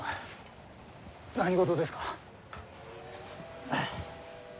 何事ですか？